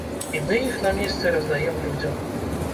І мы іх на месцы раздаем людзям.